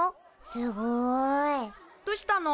すごい。どしたの？